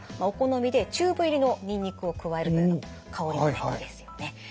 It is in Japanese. お好みでチューブ入りのにんにくを加えるというのも香りがいいですよね。